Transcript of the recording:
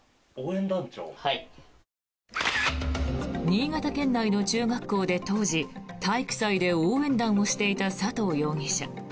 新潟県内の中学校で当時、体育祭で応援団をしていた佐藤容疑者。